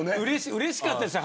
うれしかったでしょ